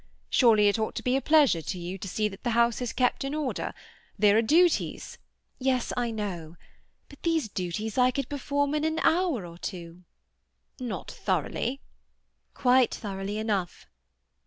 Surely it ought to be a pleasure to you to see that the house is kept in order. There are duties—" "Yes, I know. But these duties I could perform in an hour or two." "Not thoroughly." "Quite thoroughly enough."